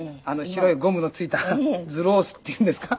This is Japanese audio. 白いゴムのついたズロースっていうんですか？